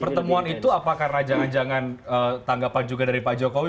pertemuan itu apa karena jangan jangan tanggapan juga dari pak jokowi